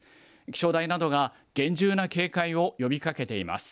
気象台などが厳重な警戒を呼びかけています。